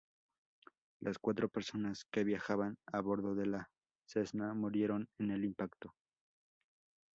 Las cuatro personas que viajaban a bordo de la Cessna murieron en el impacto.